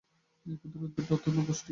এই ক্ষুদ্র উদ্ভিদটি অত্যন্ত পুষ্টিকর।